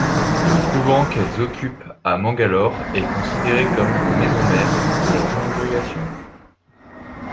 Le couvent qu’elles occupent à Mangalore est considéré comme ‘maison-mère’ de la congrégation.